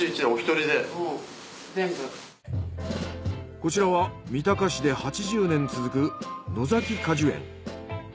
こちらは三鷹市で８０年続く野崎果樹園。